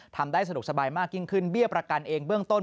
ทำได้สะดวกสบายมากยิ่งขึ้นเบี้ยประกันเองเบื้องต้น